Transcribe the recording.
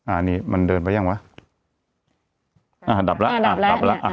อันนี้มันเดินไปยังวะอ่าดับแล้วอ่าดับแล้วดับแล้วอ่ะ